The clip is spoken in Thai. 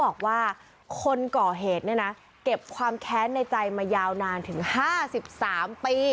บอกว่าคนก่อเหตุเนี่ยนะเก็บความแค้นในใจมายาวนานถึง๕๓ปี